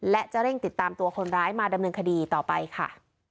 และจะเร่งติดตามตัวคนร้ายมาดำเนินคดีต่อไปค่ะ